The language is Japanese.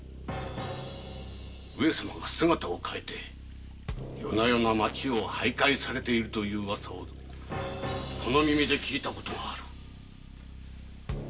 上様が姿を変えて夜な夜な町を徘徊されているというウワサをこの耳で聞いたことがある。